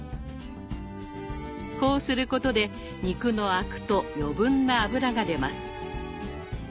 こうすることで肉のアクと余分な脂が出ます。